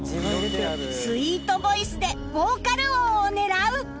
スイートボイスでヴォーカル王を狙う！